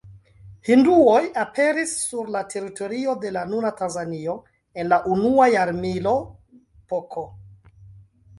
Hinduoj aperis sur la teritorio de la nuna Tanzanio en la unua jarmilo pK.